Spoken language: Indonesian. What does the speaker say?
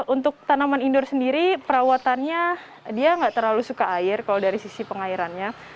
untuk tanaman indoor sendiri perawatannya dia nggak terlalu suka air kalau dari sisi pengairannya